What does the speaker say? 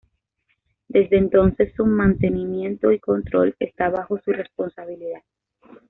Desde entonces su mantenimiento y control está bajo su responsabilidad.